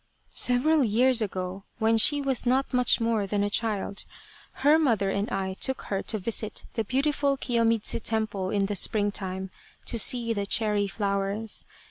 " Several years ago, when she was not much more than a child, her mother and I took her to visit the beautiful Kiyomidzu Temple in the springtime to see the cherry flowers.